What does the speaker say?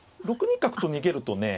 ６二角と逃げるとね